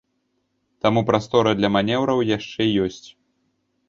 Таму прастора для манеўраў яшчэ ёсць.